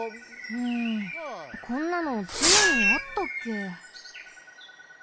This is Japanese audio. うんこんなの地面にあったっけ？